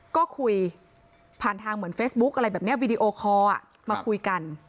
ก็คุยผ่านทางเหมือนเฟซบุ๊คอะไรแบบนี้วีดีโอคอลมาคุยกัน